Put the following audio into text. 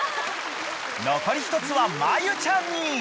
［残り１つは真由ちゃんに］